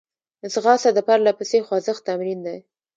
ځغاسته د پرلهپسې خوځښت تمرین دی